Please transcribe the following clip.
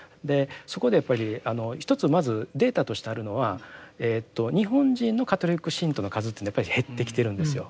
そこでやっぱりあの一つまずデータとしてあるのは日本人のカトリック信徒の数というのはやっぱり減ってきているんですよ。